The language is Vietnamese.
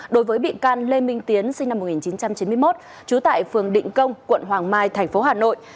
đối với bị can lê minh tiến sinh năm một nghìn chín trăm chín mươi một trú tại phường định công quận hoàng mai thành phố hà nội